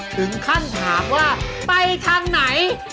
ถึงขั้นถามว่าไปทางไหน